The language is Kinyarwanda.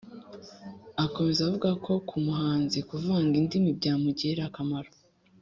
akomeza avuga ko ku muhanzi kuvanga indimi byamugirira akamaro